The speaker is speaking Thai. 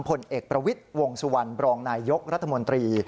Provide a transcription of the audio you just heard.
ผลเอกประวิทย์วงสุวรรณบรองนายยกรัฐมนตรี